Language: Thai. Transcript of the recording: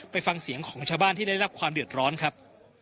ไปฟังเสียงของชาวบ้านที่ได้รับความเดือดร้อนครับ